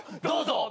どうぞ。